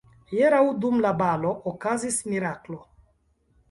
Hieraŭ dum la balo okazis miraklo.